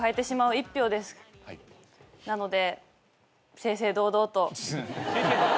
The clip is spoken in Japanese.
なので。